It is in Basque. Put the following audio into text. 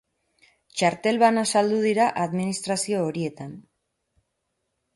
Txartel bana saldu dira administrazio horietan.